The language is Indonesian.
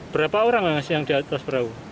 berapa orang yang di atas perahu